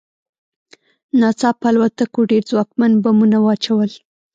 ناڅاپه الوتکو ډېر ځواکمن بمونه واچول